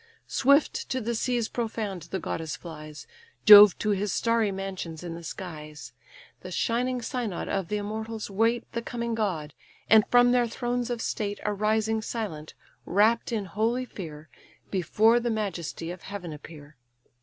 Swift to the seas profound the goddess flies, Jove to his starry mansions in the skies. The shining synod of the immortals wait The coming god, and from their thrones of state Arising silent, wrapp'd in holy fear, Before the majesty of heaven appear.